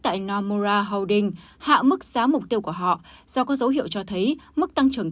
tại nomora holding hạ mức giá mục tiêu của họ do có dấu hiệu cho thấy mức tăng trưởng